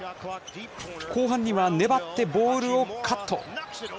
後半には粘ってボールをカット。